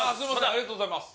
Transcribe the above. ありがとうございます